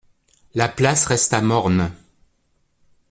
La place resta morne.